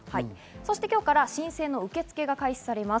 今日から申請の受け付けが開始されます。